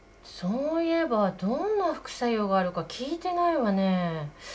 そういえばどんな副作用があるか聞いてないわね。